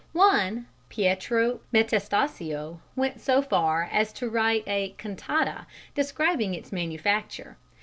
One, Pietro Metastasio, went so far as to write a "cantata" describing its manufacture.